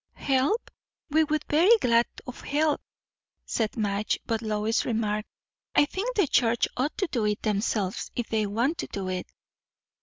"Help? We would be very glad of help," said Madge; but Lois remarked, "I think the church ought to do it themselves, if they want to do it."